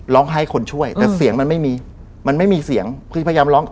ให้คนช่วยแต่เสียงมันไม่มีมันไม่มีเสียงพี่พยายามร้อง